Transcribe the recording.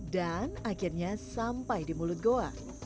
dan akhirnya sampai di mulut goa